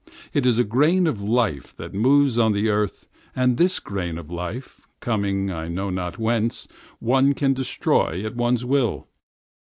It is a grain of life that moves on the earth, and this grain of life, coming I know not whence, one can destroy at one's will.